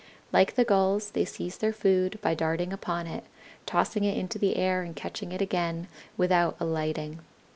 Like the Gulls, they seize their food by darting upon it, tossing it into the air and catching it again, without alighting.